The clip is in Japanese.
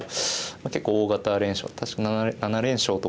結構大型連勝